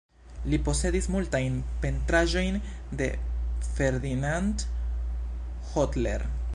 Li posedis multajn pentraĵojn de Ferdinand Hodler.